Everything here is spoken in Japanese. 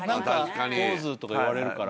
「ポーズ」とか言われるから。